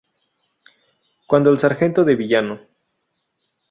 Cuando el sargento de villano.